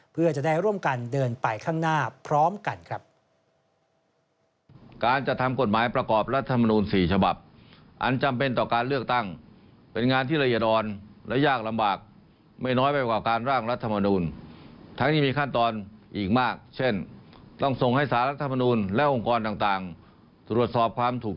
เพื่อจะได้ร่วมกันเดินไปข้างหน้าพร้อมกันครับ